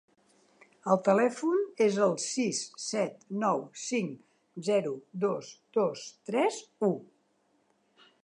El telèfon és el sis set nou cinc zero dos dos tres u.